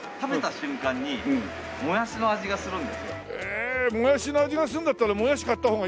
えもやしの味がするんだったらもやし買った方がいいじゃん。